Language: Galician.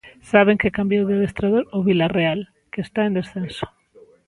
Saben que cambiou de adestrador o Vilarreal, que está en descenso.